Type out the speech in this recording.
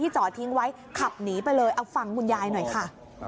ช่วงคืนฮุนยายหน่อยค่ะ